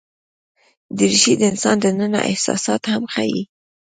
دریشي د انسان دننه احساسات هم ښيي.